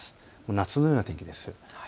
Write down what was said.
夏のような天気です。